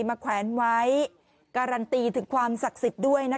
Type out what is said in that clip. แขวนไว้การันตีถึงความศักดิ์สิทธิ์ด้วยนะคะ